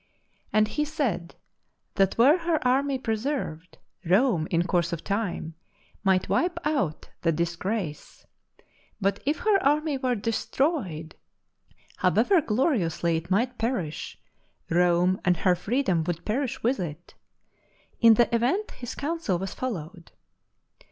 And he said that were her army preserved, Rome, in course of time, might wipe out the disgrace; but if her army were destroyed, however gloriously it might perish, Rome and her freedom would perish with it. In the event his counsel was followed.